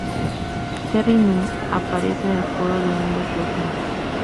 Terri Nunn aparece en el coro de "Under The Gun".